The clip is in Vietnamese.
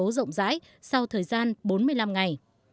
kết luận thanh tra sẽ được công bố rộng rãi sau thời gian bốn mươi năm ngày